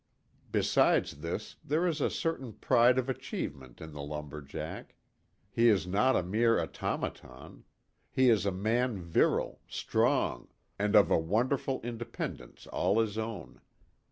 Besides this, there is a certain pride of achievement in the lumber jack. He is not a mere automaton. He is a man virile, strong, and of a wonderful independence all his own.